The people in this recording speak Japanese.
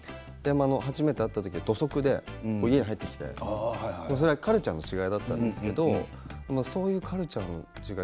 初めて会った時土足で家に入ってきてカルチャーの違いだったんですけどそういうカルチャーの違い